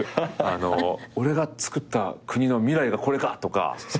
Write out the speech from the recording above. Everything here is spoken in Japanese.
俺がつくった国の未来がこれか！とか。